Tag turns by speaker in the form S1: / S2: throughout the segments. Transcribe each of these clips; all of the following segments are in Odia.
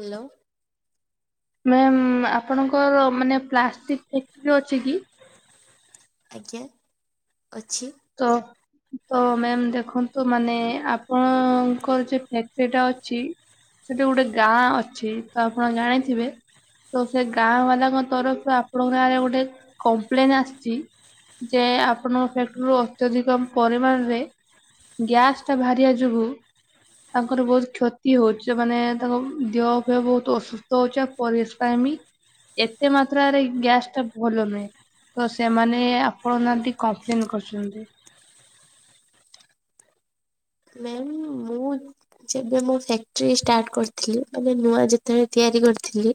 S1: ହ୍ୟାଲୋ
S2: ମ୍ୟାମ୍ ଆପଣଙ୍କର ମାନେ ପ୍ଲାଷ୍ଟିକ୍ ଫ୍ୟାକ୍ଟ୍ରି ଅଛି କି?
S1: ଆଜ୍ଞା ଅଛି।
S2: ତ ତ ମ୍ୟାମ୍ ଦେଖନ୍ତୁ ମାନେ ଆପଣଙ୍କର ଯୋଉ ଫ୍ୟାକ୍ରିଟା ଅଛି ସେଠି ଗୋଟେ ଗାଁ ଅଛି ତ ଆପଣ ଜାଣିଥିବେ? ତ ସେ ଗାଁ ବାଲାଙ୍କ ତରଫରୁ ଆପଣଙ୍କ ଗାଁ ରେ ଗୋଟେ କମ୍ପ୍ଲେନ ଆସିଛି। ଯେ ଆପଣ ଫ୍ୟା ର ଅତ୍ୟଧିକ ପରିମାଣରେ ଗ୍ୟାସ ଟା ବାହାରିବା ଯୋଗୁ ତାଙ୍କର ବହୁତ କ୍ଷତି ହଉଛି ମାନେ ତାଙ୍କ ଦେହ ଫେହ ବହୁତ ଅସୁସ୍ଥ ହଉଛି। ପୋଲିଶି ପାଇଁମି ଏତେ ମାତ୍ରାରେ ଗ୍ୟାସ ଟା ଭଲ ନୁହେଁ। ତ ସେମାନେ ଆପଣଙ୍କ ନାଁ ଟି କମ୍ପ୍ଲେନ କରିଛନ୍ତି।
S1: ମାଇ ମୁଁ ଯେବେ ମୁଁ ଫ୍ୟାକ୍ଟିରି ଷ୍ଟାର୍ଟ କରିଥିଲି ମାନେ ନୂଆ ଯେତେବେଳେ ତିଆରି କରିଥିଲି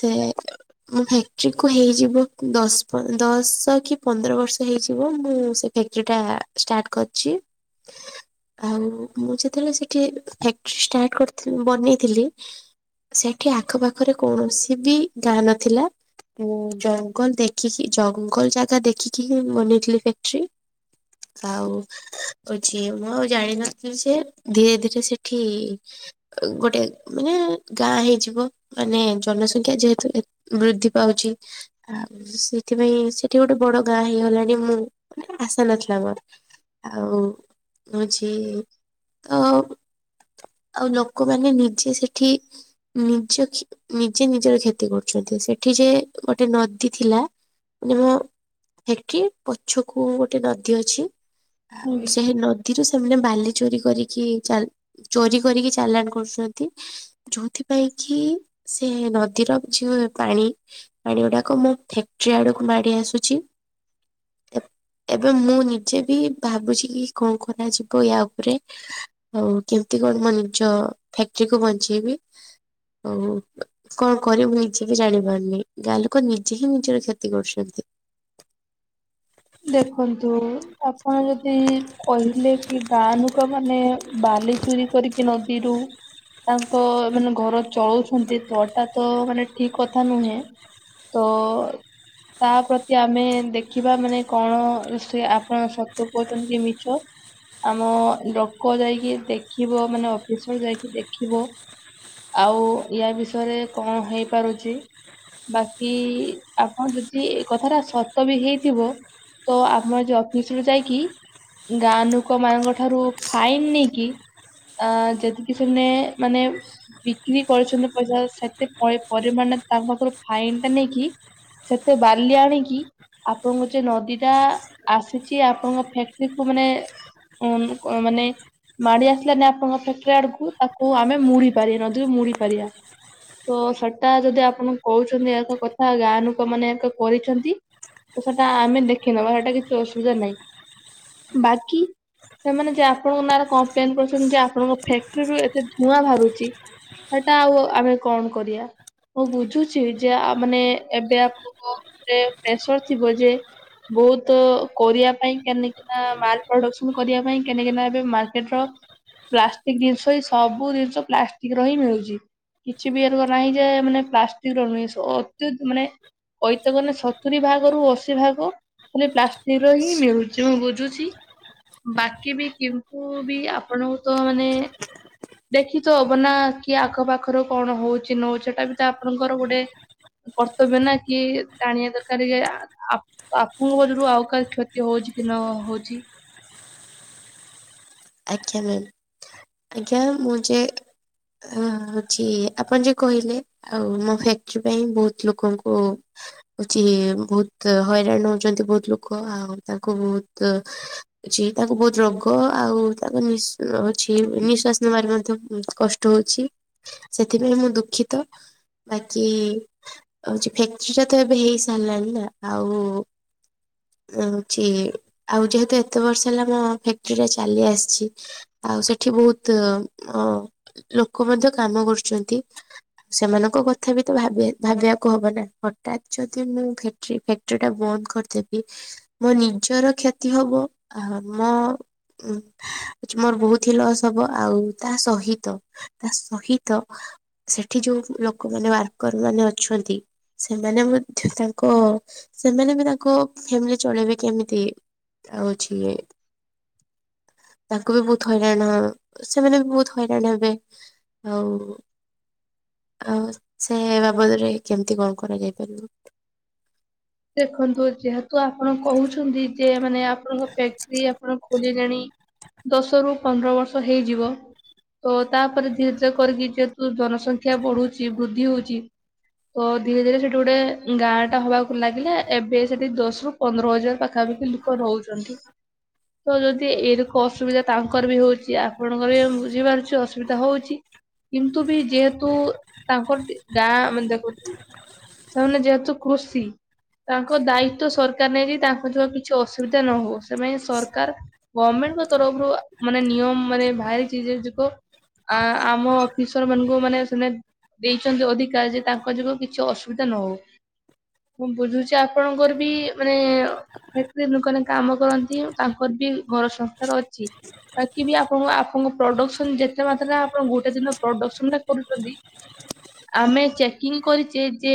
S1: ସେ ମୋ ଫ୍ୟାକ୍ଟ୍ରି କୁ ହେଇଯିବ ଦଶ ଦଶ କି ପନ୍ଦର ବର୍ଷ ହେଇଯିବ ମୁଁ ସେ ଫ୍ୟାକ୍ଟ୍ରି ଟା ଷ୍ଟାର୍ଟ କରିଛି।
S2: [inaudible]
S1: ଆଉ ମୁଁ ଯେତେବେଳେ ସେଠି ଫାକ୍ଟ୍ରି ଷ୍ଟାର୍ଟ କରିଥିଲ ବନେଇଥିଲି ସେଠି ଆଖପାଖରେ କୌଣସି ବି ଗାଁ ନଥିଲା ମୁଁ ଜଙ୍ଗଲ ଦେଖିକି ଜଙ୍ଗଲ ଜାଗା ଦେଖିକି ବନେଇଥିଲି ଫ୍ୟାକ୍ଟ୍ରି। ଆଉ ହଉଛି ମୋ ଜାଣିିନଥିଲି ସେ ଧୀରେ ଧୀରେ ସେଠି ଗୋଟେ ମାନେ ଗାଁ ହେଇଯିବ। ମାନେ ଜନସଂଖ୍ୟା ଯେହେତୁ ବୃଦ୍ଧି ପାଉଛି ଆ ସେଇଥିପାଇଁ ସେଠି ଗୋଟେ ବଡ ଗାଁ ହେଇଗଲାଣି ମୁଁ ମାନେ ଆଶା ନଥିଲା ମୋର ଆଉ ହଉଛି ତ ଆଉ ଲୋକମାନେ ନିଜେ ସେଠି ନିଜ ନିଜେ ନିଜର କ୍ଷତି କରୁଛନ୍ତି ସେଠି ଯେ ଗୋଟେ ନଦୀ ଥିଲା ମାନେ ମୋ ଫାକ୍ଟ୍ରି ପଛକୁ ଗୋଟେ ନଦୀ ଅଛି ଆଉ ସେ ନ ଏଥିରୁ ସେମାନେ ବାଲି ଚୋରି କରିକି ଚା ଚୋରି କରିକି ଚାଲାଣ କରୁଛନ୍ତି ଯୋଉଥିପାଇ କି ସେ ନଦୀର ଯଉ ପାଣି ପାଣି ଗୁଡାକ ମୋ ଫ୍ୟାଟ୍ରି ଆଡକୁ ମାଡି ଆସୁଛି ଏ ଏବେ ମୁଁ ନିଜେ ବି ଭାବୁଛି କି କଣ ଖରା ଯିବ ୟା ଉପରେ ଆଉ କେମିତି କଣ ମୋ ନିଜ ଫ୍ୟାକ୍ଟ୍ରି କୁ ବଞ୍ଚେଇବି ହଉ କଣ କରିବୁ ନିଜେ ବି ଜାଣିପାରୁନି ଗାଁ ଲୋକ ନିଜେ ହିଁ ନିଜର କ୍ଷତି କରୁଛନ୍ତି।
S2: ଦେଖନ୍ତୁ ଆପଣ ଯଦି କହିଲେ ଏଇ ଗାଁ ଲୁକୋମାନେ ବାଲି ଚୋରି କରିକି ନଦୀରୁ ତାଙ୍କ ମାନେ ଘର ଚଳଉଛନ୍ତି ତଟା ତ ମାନେ ଠିକ କଥା ନୁହେଁ ତ ତା ପ୍ରତି ଆମେ ଦେଖିବା ମାନେ କଣ ସେ ଆପଣ ସତୁ କହୁଛନ୍ତି କି ମିଛ ଆମ ଲୋକ ଯାଇକି ଦେଖିବ ମାନେ ଅଫିସରେ ଯାଇକି ଦେଖିବ। ଆଉ ୟା ବିଷୟରେ କଣ ହେଇପାରୁଛି ବାକି ଆପଣ ଯଦି ଏ କଥାଟା ସତ ବି ହେଇଥିବ ତ ଆମେ ଆଜି ଅଫିସରୁ ଯାଇକି ଗାଁ ଲୋକ ମାନଙ୍କ ଠାରୁ ଫାଇନ ନେଇକି ଅ ଯେତିକି ସେମାନେ ମାନେ ବିକ୍ରି କରୁଛନ୍ତି ପଇସା ସେତେ ପରି ପରିମାଣ ତାଙ୍କ ପାଖରୁ ଫାଇନ ଟା ନେଇକି ସେତେ ବାଲି ଆଣିକି ଆପଣଙ୍କ ଯେ ନଦୀ ଟା ଆସିଛି ଆପଣଙ୍କ ଫକ୍ଟ୍ରି କୁ ମାନେ ମାନେ ମାଡି ଆସିଲାନି ଆପଣଙ୍କ ଫ୍ୟାକ୍ଟ୍ରି ଆଡକୁ ତାକୁ ଆମେ ମୁଡି ପାରିବା ନଦୀରୁ ମୁଡ଼ି ପାରିବା। ତ ସେଟା ଯଦି ଆପଣ କହୁଛନ୍ତି ଏହା ଏକ କଥା ଗାଁ ଲୋକମାନେ ଏୟା ତ କରିଛନ୍ତି ତ ସେଟା ଆମେ ଦେଖ ନବା ହେଟା କିଛି ଅସୁବିଧା ନାହିଁ ବାକି ସେମାନେ ଯେ ଆପଣଙ୍କ ନାଁରେ କମ୍ପ୍ଲେନ କରୁଛନ୍ତି ଯେ ଆପଣଙ୍କ ଫାକ୍ଟ୍ରି ରୁ ଏତେ ଧୂଆଁ ବାହାରୁଛି ସେଇଟା ଆଉ ଆମେ କଣ କରିଆ ମୁଁ ବୁଝୁଛି ଯେ ଆ ମାନେ ଏବେ ଆପଣଙ୍କ ଉପରେ ପ୍ରେସର ଥିବ ଯେ ବହୁତ କୋରିବା ପାଇଁ କେନକିନା ମା ପ୍ରଡକ୍ସନ କରିବା ପାଇଁ କେନକିନା ଏବେ ମାର୍କେଟ ର ପ୍ଲାଷ୍ଟିକ ଜିନିଷ ହ୍ନି ଏଇ ସବୁ ଜିନିଷ ପ୍ଲାଷ୍ଟିକ ର ହିଁ ମିଳୁଛି। କିଛି ବି ଏ ନାହିଁ ଯେ ମାନେ ପ୍ଲାଷ୍ଟିକ ର ନୁହେଁ ଅତ୍ୟ ମାନେ କଇତ ଗଲେ ସତୁରି ଭାଗରୁ ଅଶୀ ଭାଗ ଖାଲି ପ୍ଲାଷ୍ଟିକ ର ହିଁ ମିଳୁଛି ମୁଁ ବୁଝୁଛି ବାକି ବି କିନ୍ତୁ ବି ଆପଣଙ୍କୁ ତ ମାନେ ଦେଖି ତ ହବ ନା କି ଆଖ ପାାଖରୁ କଣ ହଉଛି ନ ହଉଛି ସେଟା ବି ତ ଆପଣଙ୍କର ଗୋଟେ କର୍ତ୍ତବ୍ୟ ନା କି ଜାଣିବା ଦରକାର ଯେ ଆ ଆପ ତ ଆପଣଙ୍କଜରୁ ଆଉ କାହାର କ୍ଷତି ହଉଛି କି ନ ହଉଛି
S1: ଆଜ୍ଞା ମ ଆଜ୍ଞା ମୁେ ହଁଛି ଆପଣ ଯ କହିଲେ ଆଉ ମୋ ଫ୍ୟାକ୍ଟ୍ରି ପାଇଁ ବହୁତ ଲୋକଙ୍କୁ ହଉଛି ବହୁତ ହଇରାଣ ହଉଛନ୍ତି ବହୁତ ଲୋକ ଆଉ ତାଙ୍କୁ ବହୁତ ଅଛି ତାକୁ ବହୁତ ରୋଗ ଆଉ ତାଙ୍କ ନିଶ ଅଛି ନିଶ୍ଵାସ ନେବାରେ ମଧ୍ୟ କଷ୍ଟ ହଉଛି ସେଥିପାଇଁ ମୁଁ ଦୁଃଖିତ ବାକି ହଉଛି ଫ୍ୟାକ୍ଟ୍ରି ଟା ତ ଏବେ ହେଇ ସାରିଲାଣିି ନା ଆଉ ହଛି ଆଉ ଯେହେତୁ ଏତେ ବର୍ଷ ହେଲା ମୋ ଫ୍ୟାକ୍ଟ୍ରି ଟା ଚାଲି ଆସି ଆଉ ସେଠି ବହୁତ ଅ ଲୋକ ମଧ୍ୟ କାମ କରୁଛନ୍ତି। ସେମାନଙ୍କ କଥା ବି ତ ଭାବ ଭାବିବାକୁ ହବ ନା ହଠତ୍ ଯଦି ମୁଁ ଫ୍ୟାକ୍ଟ୍ରି ଟା ବନ୍ଦ କରିଦେବି। ମୋ ନିଜର କ୍ଷତି ହବ ଆ-ମ ଆଜି ମୋର ବହୁତହି ଲସ୍ ହବ ଆଉ ତା ସହିତ ତା ସହିତ ସେଠି ଯୋଉ ଲୋକମାନେ ୱାର୍କରମାନେ ଅଛନ୍ତି ସେମାନେ ମଧ୍ୟ ତାଙ୍କ ସେମାନେ ବି ତାଙ୍କ ଫ୍ୟାମିଲି ଚଳେଇବେ କେମିତି। ଆଉ ଅଛି ଏ ତାଙ୍କୁ ବି ବହୁତ ହଇରାଣ ସେମାନେ ବି ବହୁତ ହଇରାଣ ହେବେ ଆଉ ଆଉ ସେ ବାବଦରେ କେମତି କଣ କରାଯାଇ ପାରିବ?
S2: ଦେଖନ୍ତୁ ଯେହେତୁ ଆପଣ କହୁଛନ୍ତି ଯେ ମାନେ ଆପଣଙ୍କ ଫ୍ୟାକ୍ଟ୍ରି ଆପଣ ଖୋଲିଲେଣି ଦଶରୁ ପନ୍ଦର ବର୍ଷ ହେଇଯିବ। ତ ତାପରେ ଧୀରେ ଧୀରେ କରିକି ଯେହେତୁ ଜନସଂଖ୍ୟା ବଢୁଛି ବୃଦ୍ଧି ହଉଛି ତ ଧୀରେ ଧୀରେ ସେଠି ଗୋଟେ ଗାଁ ଟା ହବାକୁ ଲାଗିଲା ଏବେ ସେଠି ଦଶ ରୁ ପନ୍ଦରହଜାର ପାଖାପାଖି ଲୋକ ରହୁଛନ୍ତି। ତ ଯଦି ଏରକ ଅସୁବିଧା ତାଙ୍କର ବି ହଉଛି ଆ ଆପଣଙ୍କର ବି ଆମେ ବୁଝିପାରୁଛୁ ଅସୁବିଧା ହଉଛି। କିନ୍ତୁ ବି ଯେହେତୁ ତାଙ୍କରଟି ଗାଁ ମାନେ ଦେଖନ୍ତୁ ସେମାନେ ଯେହେତୁ କୃଷି ତାଙ୍କ ଦାୟିତ୍ୱ ସରକାର ନେଇଚି ତାଙ୍କ ଯମା କିଛି ଅସୁବିଧା ନ ହବ ସେମାନେ ସରକାର ଗଭଣମେଣ୍ଟଙ୍କ ତରଫରୁ ମାନେ ନିୟମ ମାନେ ଭାରିଚି ଯେ ଜକ ଆ ଆମ ଅଫିସରମାନଙ୍କୁ ମାନେ ସେ ଦେଇଛନ୍ତି ଅଧିକାର ଯେ ତାଙ୍କ ଯୋଗୁଁ କିଛି ଅସୁବିଧା ନ ହଉ। ମୁଁ ବୁଝୁଛି ଆପଣଙ୍କର ବି ମାନେ ଫାକ୍ଟ୍ରି ଦୋକାନ କାମ କରନ୍ତି ତାଙ୍କର ବି ଘର ସଂସାର ଅଛି। ବାକି ବି ଆପଣ ଆପଣଙ୍କ ପ୍ରଡକ୍ସନ ଯେତେ ମାତ୍ରା ଆପଣ ଗୋଟେଦିନ ପ୍ରଡକ୍ସନଟା କରୁଛନ୍ତି ଆମେ ଚେକିଂ କରିଚେ ଯେ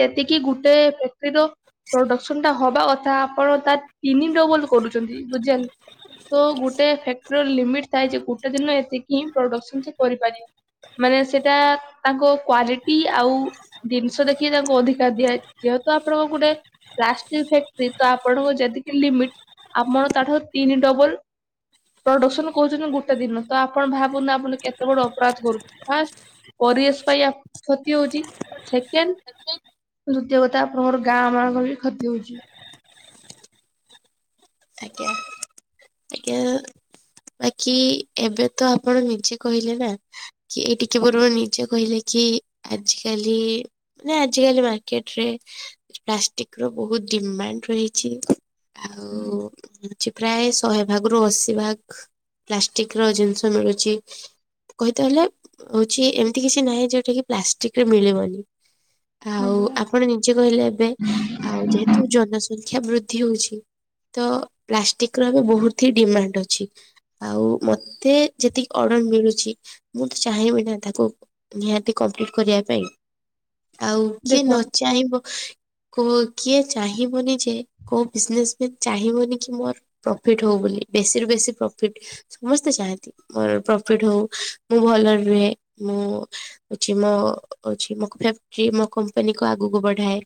S2: ଯେ ଏତିକି ଗୁଟେ ଫ୍ୟାକ୍ଟିର ପ୍ରଡକ୍ସନ ଟା ହବା କଥା ଆପଣ ତା ତିନି ଡବଲ କରୁଛନ୍ତି ବୁଝି ତ ଗୋଟେ ଫ୍ୟାକ୍ଟ୍ରି ର ଲିମିଟ୍ ଥାଏ ଯେ ଗୋଟେ ଦିନ ଏତିକି ହିଁ ପ୍ରଡକ୍ସନ ସେ କରିପାରିବ। ମାନେ ସେଇଟା ତାଙ୍କ କ୍ୱାଲିଟୀ ଆଉ ଜିନିଷ ଦେଖିକି ତାଙ୍କୁ ଅଧିକ ଦିଆଏ ଯେହେତୁ ଆପଣଙ୍କ ଗୋଟେ ପ୍ଲାଷ୍ଟିକ ଫାକ୍ଟ୍ରି ତ ଆପଣଙ୍କୁ ଯେତିକି ଲିମିଟ ଆମର ତା ଠାରୁ ତିନି ଡବଲ ପ୍ରଡକ୍ସନ କହୁଛନ୍ତି ଗୋଟେ ଦିନ ତ ଆପଣ ଭାବୁନ ଆପଣ କେତେ ବଡ ଅପରାଧ କରୁ ଫାର୍ଷ୍ଟ ପରିବେଶ ପାଇଁ କ୍ଷତି ହଉଛି ସେକେଣ୍ଡ ଦ୍ୱଇତୀୟ କଥା ଆପଣଙ୍କର ଗାଁ ମାନଙ୍କ ବି କ୍ଷତି ହଉଛି।
S1: ଆଜ୍ଞା। କେ-ଏ ବାକି ଏବେ ତ ଆପଣ ନିଜେ କହିଲେ ନା କି ଏଇ ଟିକେ ପୂର୍ବର୍ ନିଜେ କହିଲେ କି ଆଜିକାଲି ମାନେ ଆଜିକାଲି ମାର୍କେଟରେ ପ୍ଲାଷ୍ଟିକ ର ବହୁତ ଡିମାଣ୍ଡ ରହିଛି। ଆଉ ହଉଛି ପ୍ରାୟ ଶହେ ଭାଗରୁୁ ଅଶୀ ଭାଗ ପ୍ଲାଷ୍ଟିକ ର ଜିନିଷ ମିଳୁଚି କହିତେ ହେଲେ ହଉଚି ଏମିତି କିଛି ନାହିଁ ଜୋଉଟା କିି ପ୍ଲାଷ୍ଟିକରେ ମିଳିବନି। ଆଉ
S2: ଆଜ୍ଞା
S1: ଆପଣ ନିଜେ କହିଲେ ଏବେ ଆଉ ଯେହେତୁ ଜନସଂଖ୍ୟା ବୃଦ୍ଧି ହଉଛି ତ ପ୍ଲାଷ୍ଟିକ ର ଏବେ ବହୁତ ହି ଡିମାଣ୍ଡ ଅଛି। ଆଉ ମତେ ଯେତିକି ଅର୍ଡର ମିଳୁଚି ମୁଁ ତ ଚାହିଁବି ନା ତାକୁ ନିହାତି କମ୍ପ୍ଲିଟ କରିବା ପାଇଁ ଆଉ କିଏ
S2: ଦେଖ
S1: ନ ଚାହିଁବ କୋଉ କିଏ ଚାହିଁବନି ଯେ କୋଉ ବିଜନେସ ମାନ ଚାହିଁବନି କି ମୋର ପ୍ରଫିଟ ହଉ ବୋଲି ବେଶୀ ରୁ ବେଶୀ ପ୍ରଫିଟ ସମସ୍ତେ ଚାହାନ୍ତି। ମୋର ପ୍ରଫିଟ ହଉ ମୁଁ ଭଲରେ ରୁହେ ମୁଁ ଅଛି ମୋ ଅଛି ମୋ ଫାକ୍ଟ୍ରି ମୋ କମ୍ପାନୀକୁ ଆଗକୁ ବଢାଏ।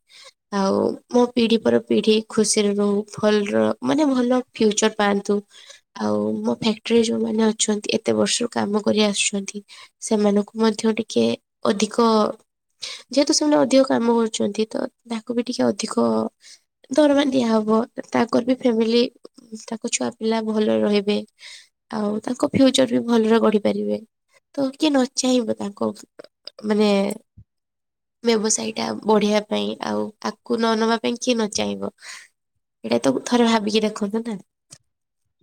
S1: ଆଉ ମୋ ପିଢ଼ି ପର ପିଢ଼ି ଖୁସିରେ ରୁହ ଭଲରେ ମାନେ ଭଲ ଫ୍ୟୁଚର ପାଆନ୍ତୁ। ଆଉ ମୋ ଫ୍ୟାକ୍ଟ୍ରିରେ ଯୋଉମାନେ ଅଛନ୍ତି ଏତେ ବର୍ଷରୁ କାମ କରି ଆସୁଛନ୍ତି ସେମାନଙ୍କୁ ମଧ୍ୟ ଟିକେ ଅଧିକ ଯେହେତୁ ସେମାନେ ଅଧିକ କାମ କରୁଚନ୍ତି ତ ତାକୁ ବି ଟିକେ ଅଧିକ ଦରମା ଦିଆ ହବ ତାଙ୍କର ବି ଫ୍ୟାମିଲି ତାଙ୍କ ଛୁଆପିଲା ଭଲରେ ରହିବେ। ଆଉ ତାଙ୍କ ଫ୍ୟୁଚର ବି ଭଲରେ ଗଢି ପାରିବେ ତ କିଏ ନ ଚାହିଁବ ତାଙ୍କ ମାନେ ବ୍ୟବସାୟୀ ଟା ବଢିଆ ପାଇଁ ଆଉ ଆକୁ ନ ନବା ପାଇଁ କିଏ ନ ଚାହିଁବ। ଏଇଟା ତ ଥରେ ଭାବିକି ଦେଖନ୍ତୁ ନା।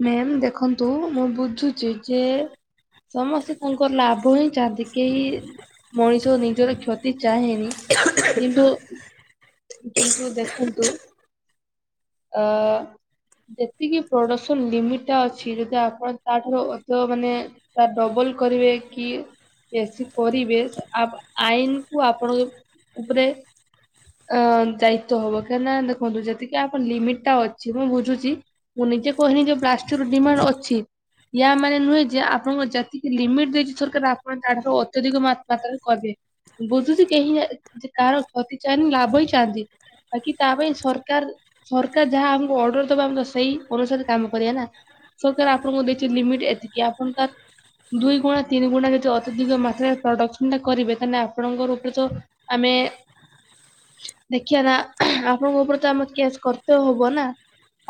S2: ମ୍ୟାମ୍ ଦେଖନ୍ତୁ ମୁଁ ବୁଝୁଛି ଯେ ସମସ୍ତେ ତାଙ୍କର ଲାଭ ହିଁ ଚାହାନ୍ତି। କେହି ମଣିଷ ନିଜର କ୍ଷତି ଚାହେଁନି କିନ୍ତୁ କିନ୍ତୁ ଦେଖନ୍ତୁ ଅ ଯେତିକି ପ୍ରଡକ୍ସନ ଲିମିଟ ଟା ଅଛି ଯଦି ଆପଣ ତାଠାରୁ ଅଧ ମାନେ ତା ଡବଲ କରିବେ କି? ବେଶୀ କରିବେ ଆପ ଆଇନକୁୁ ଆପଣଙ୍କ ଉପରେ ଅ ଯାଇତେ ହବ କାହିଁକି ନା ଦେଖନ୍ତୁ ଯେତିକି ଆପଣ ଲିମିଟ ଟା ଅଛି ମୁଁ ବୁଝୁଚି ମୁଁ ନିଜେ କହନି ଯେ ପ୍ଲାଷ୍ଟରୁ ଡିମାଣ୍ଡ ଅଛି। ୟା ମାନେ ନୁହେଁ ଯେ ଆପଣଙ୍କଙ୍କୁ ଯେତିକି ଲିମିଟ୍ ଦେଇଚି ସରକାର ଆପଣ ତା ଅତ୍ୟଧିକ ମାତ୍ରାରେ କରବେ। ବୁଝୁଚି କେହି କାହାର କ୍ଷତି ଚାହେନ ଲାଭ ହେ ଚାହାନ୍ତି। ବାକି ତା ପାଇଁ ସରକାର ସରକାର ଯାହା ଆମକୁ ଅର୍ଡର ଦବ ଆମେ ତ ସେଇ ଅନୁସାରେ କାମ କରିବା ନା ସରକାର ଆପଣଙ୍କୁ ଦେଇଚନ୍ତି ଲିମିଟ ଏତିକି ଆପଣ ତାର ଦୁଇ ଗୁଣା ତିନି ଗୁଣା ଯଦି ଅତ୍ୟଧିକ ମାତ୍ରାରେ ପ୍ରଡକ୍ସନ ଟା କରିବେ ତାହାଲେ ଆପଣଙ୍କ ଉପରେ ତ ଆମେ ଦେଖିବା ନା ଆପଣଙ୍କ ଉପରେ ତ ଆମ କେସ୍ କର୍ତେ ହବ ନା।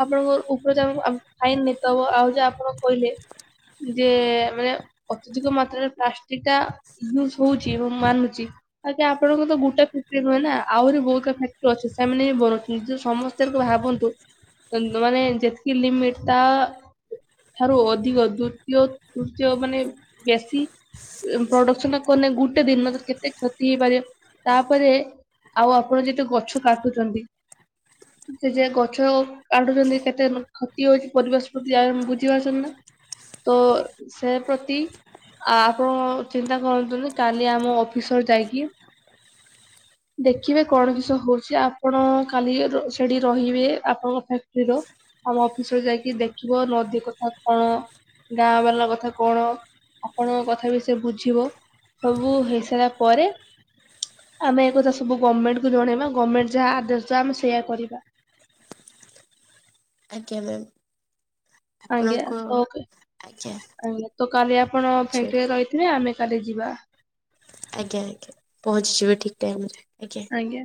S2: ଆପଣଙ୍କର ଉପରେ ଆମକୁ ଫାଇନ ନଇତେ ହବ ଆଉ ଯହା ଆପଣ କହିଲେ ଯେ ମାନେ ଅତ୍ୟଧିକ ମାତ୍ରାରେ ପ୍ଲାଷ୍ଟିକ ଟା ୟୁଜ ହଉଚି ମୁଁ ମାନୁଚି ଆଜ୍ଞା ଆପଣଙ୍କ ତ ଗୋଟେ ଫ୍ୟାକଟ୍ରି ନୁହେଁ ନା ଆହୁରି ବହୁତ କା ଫ୍ୟାକ୍ଟ୍ରି ଅଛି ସେମାନେ ବି ବନଉଚନ୍ତି ଯ ସମସ୍ତେ ଭାବନ୍ତୁ ଦେଖନ୍ତୁ ମାନେ ଯେତକି ଲିମିଟ ତା ଠାରୁ ଅଧିକ ଦ୍ୱତୀୟ ତୃତୀୟ ମାନେ ବେଶୀ ପ୍ରଡକ୍ସନ କନେ ଗୋଟେ ଦିନ କେତେ କ୍ଷତି ହେଇପାରିବ ତାପରେ ଆଉ ଆପଣ ଯେତ ଗଛ କାଟୁଚନ୍ତି ସେ ଯେ ଗଛ କାଟୁଛନ୍ତି କେତେ ନ କ୍ଷତି ହଉଚି ପରିବେଶ ପ୍ରତି ଆ ବୁଝିପାରୁଚନ୍ତି ନା? ତ ସେ ପ୍ରତି ଆ ଆପଣ ଚିନ୍ତା କରନ୍ତୁନି କାଲି ଆମ ଅଫିସରେ ଯାଇକି ଦେଖିବେ କଣ କିଷ ହଉଚି ଆପଣ କାଲି ର ସେଠି ରହିବେ ଆପଣଙ୍କ ଫ୍ୟାକ୍ଟି ର। ଆମ ଅଫିସର ଯାଇକି ଦେଖିବ ନଦୀ କଥା କଣ ଗାଁ ବାଲା କଥା କଣ ଆପଣଙ୍କ କଥା ବି ସେ ବୁଝିବ। ସବୁ ହେଇସାରିଲା ପରେ ଆମେ ଏକଥା ସବୁ ଗମେଣ୍ଟକୁ ଜଣେଇବା। ଗମେଣ୍ଟେ ଯାହା ଆଦେଶ ଦବ ଆମେ ସେୟା କରିବା।
S1: ଆଜ୍ଞା ମ୍ୟାମ।
S2: ଆଜ୍ଞା
S1: ଆପଣଙ୍କୁ
S2: ତ
S1: ଆଜ୍ଞା।
S2: ଆଜ୍ଞା ତ କାଲି ଆପଣ
S1: ବୁଝିଗଲି
S2: ଫ୍ୟାକ୍ଟିରେ ରହିଥିବେ। ଆମେ କାଲି ଯିବା।
S1: ଆଜ୍ଞା ଆଜ୍ଞା ପହଞ୍ଚିଯିବେ ଠିକ୍ ଟାଇମ ରେ। ଆଜ୍ଞା।
S2: ଆଜ୍ଞା।